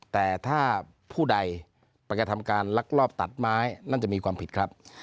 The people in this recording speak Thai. แต่ถ้าผู้ใดไปกระทำการลักลอบตัดไม้นั่นจะมีความผิดครับ